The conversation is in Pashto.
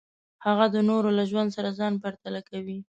هغه د نورو له ژوند سره ځان پرتله کوي.